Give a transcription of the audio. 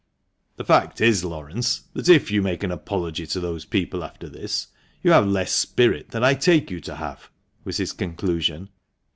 " The fact is, Laurence, that, if you make an apology to those people after this, you have less spirit than I take you to have!" was his conclusion.